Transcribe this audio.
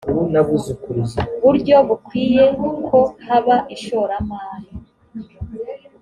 buryo bukwiye ko haba ishoramari